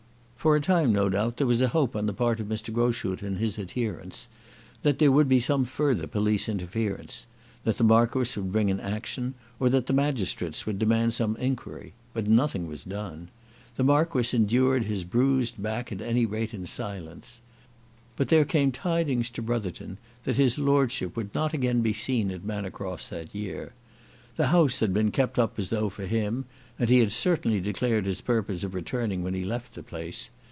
For a time no doubt there was a hope on the part of Mr. Groschut and his adherents that there would be some further police interference; that the Marquis would bring an action, or that the magistrates would demand some inquiry. But nothing was done. The Marquis endured his bruised back at any rate in silence. But there came tidings to Brotherton that his lordship would not again be seen at Manor Cross that year. The house had been kept up as though for him, and he had certainly declared his purpose of returning when he left the place.